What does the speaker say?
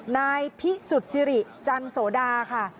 นายพิสุทธิ์สิริจันโสดาค่ะ